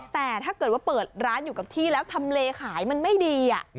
แต่ถ้าเกิดว่าเปิดร้านอยู่กับที่แล้วทำเลขายมันไม่ดี